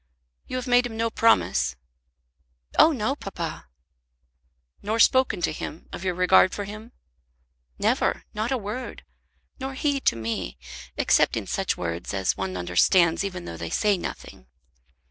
You have made him no promise?" "Oh no, papa." "Nor spoken to him of your regard for him?" "Never; not a word. Nor he to me, except in such words as one understands even though they say nothing."